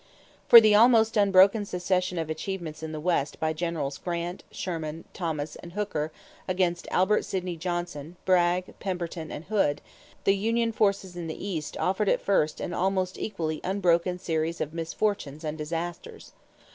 LEE] For the almost unbroken succession of achievements in the West by Generals Grant, Sherman, Thomas, and Hooker against Albert Sidney Johnston, Bragg, Pemberton, and Hood, the union forces in the East offered at first an almost equally unbroken series of misfortunes and disasters.